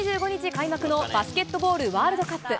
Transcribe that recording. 開幕のバスケットボールワールドカップ。